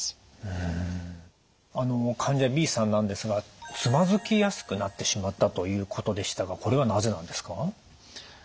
あの患者Ｂさんなんですがつまずきやすくなってしまったということでしたがこれはなぜなんですか？